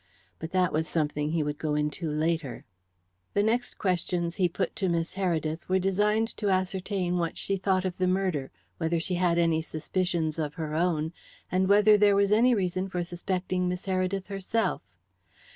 But that was something he would go into later. The next questions he put to Miss Heredith were designed to ascertain what she thought of the murder, whether she had any suspicions of her own, and whether there was any reason for suspecting Miss Heredith herself.